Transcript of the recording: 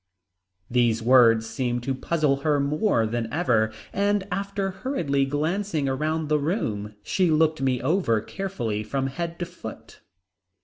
These words seemed to puzzle her more than ever and after hurriedly glancing about the room she looked me over carefully from head to foot.